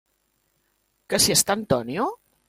Que si està Antonio?